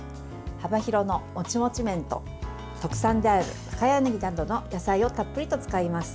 幅広のモチモチ麺と特産である深谷ねぎなどの野菜を、たっぷりと使います。